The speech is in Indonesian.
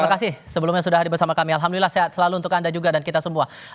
terima kasih sebelumnya sudah hadir bersama kami alhamdulillah sehat selalu untuk anda juga dan kita semua